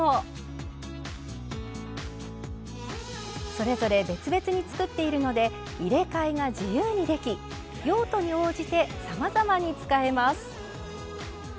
それぞれ別々に作っているので入れ替えが自由にでき用途に応じてさまざまに使えます。